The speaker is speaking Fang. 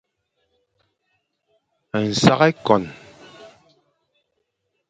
Nsak ekuan.